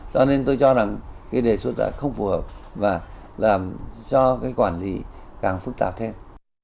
cho nên tôi cho rằng cái đề xuất đã không phù hợp và làm cho cái quản lý càng phức tạp thêm